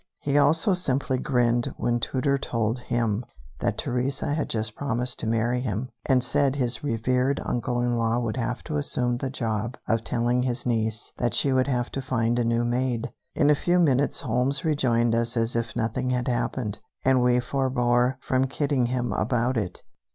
He also simply grinned when Tooter told him that Teresa had just promised to marry him, and said his revered uncle in law would have to assume the job of telling his niece that she would have to find a new maid. In a few minutes Holmes rejoined us as if nothing had happened, and we forbore from kidding him about it.